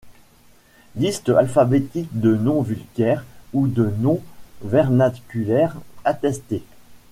Liste alphabétique de noms vulgaires ou de noms vernaculaires attestés.